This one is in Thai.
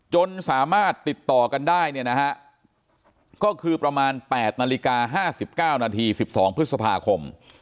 จนสามารถติดต่อกันได้เนี่ยนะฮะก็คือประมาณ๘นาฬิกา๕๙นาที๑๒พฤษภาคม